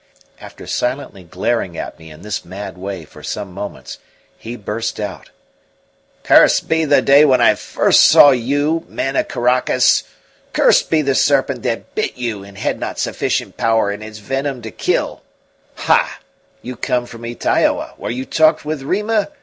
After silently glaring at me in this mad way for some moments, he burst out: "Cursed be the day when I first saw you, man of Caracas! Cursed be the serpent that bit you and had not sufficient power in its venom to kill! Ha! you come from Ytaioa, where you talked with Rima?